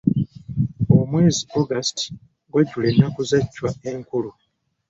Omwezi August gwajjula ennaku za Chwa enkulu.